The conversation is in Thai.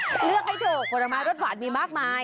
เลือกแต่ผลมารสหวานมีมากมาย